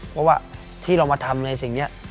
เพราะว่าที่เรามาทำในสิ่งนี้